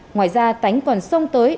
ngoài ra tánh quần sông tới